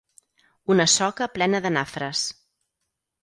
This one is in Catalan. Una soca plena de nafres.